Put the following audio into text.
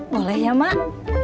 boleh ya mak